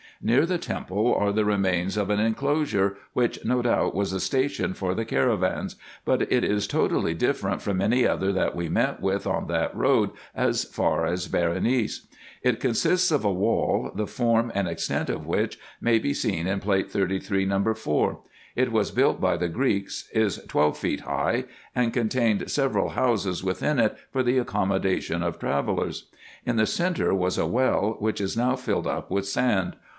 Near the temple are the remains of an enclosure, which no doubt was a station for the caravans ; but it is totally different from any other that we met with on that road as far as Berenice. It consists of a wall, the form and extent of which may be seen in Plate 33, No. 4. It was built by the Greeks, is twelve feet high, and contained several houses within it for the accommodation of travellers. In the centre was a well, which is now filled up with sand.